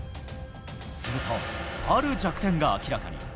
すると、ある弱点が明らかに。